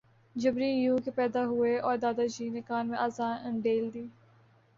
جبری یوں کہ ، پیدا ہوئے اور دادا جی نے کان میں اذان انڈیل دی